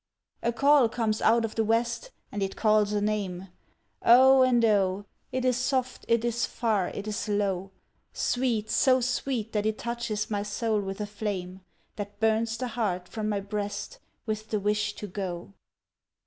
A call comes out of the west and it calls a name, O and O! it is soft, it is far, it is low Sweet, so sweet that it touches my soul with a flame That burns the heart from my breast with the wish to go!